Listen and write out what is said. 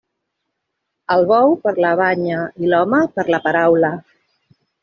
El bou per la banya i l'home per la paraula.